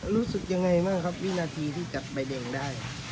รู้สึกยังไงบ้างครับวินาทีที่จับใบแดงได้